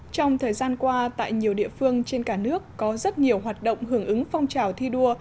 trong thời gian qua tại nhiều địa phương trên cả nước có rất nhiều hoạt động hưởng ứng phong trào thi đua